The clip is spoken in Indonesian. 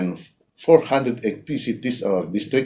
dan empat ratus delapan puluh enam kota atau distrik